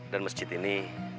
dan masjid ini